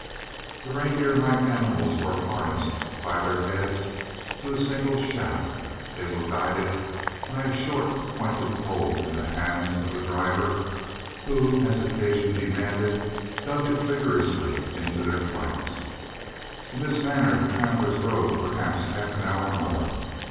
The reindeer like animals were harnessed by their heads to a single shaft. They were guided by a short, pointed pole in the hands of the driver, who, as occasion demanded, dug it vigorously into their flanks. In this manner the travelers rode perhaps half an hour more.